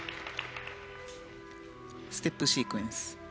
ステップシークエンス。